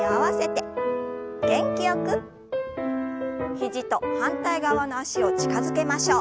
肘と反対側の脚を近づけましょう。